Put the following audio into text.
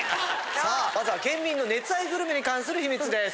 さあまずは県民の熱愛グルメに関する秘密です。